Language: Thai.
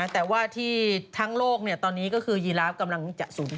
แต่ว่าที่ทั้งโลกตอนนี้ก็คือยีราฟกำลังจะสูง